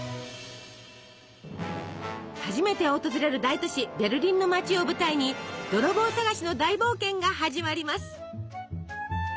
初めて訪れる大都市ベルリンの街を舞台に泥棒捜しの大冒険が始まります。